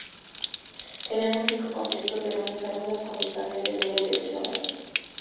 Teníamos cinco conciertos de lunes a lunes, con distancias de miles de kilómetros.